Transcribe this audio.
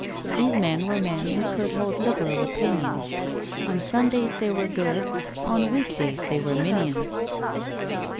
(These men were men who could Hold liberal opinions: On Sundays they were good— On week days they were minions.)